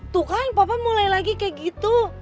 tuh kan papa mulai lagi kayak gitu